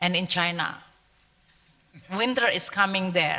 di china winter time akan datang